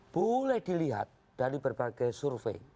boleh dilihat dari berbagai survei